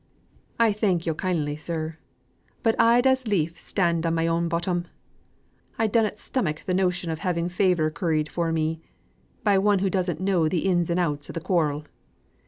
"I thank yo' kindly, sir, but I'd as lief stand on my own bottom. I dunnot stomach the notion of having favour curried for me, by one as doesn't know the ins and outs of the quarrel.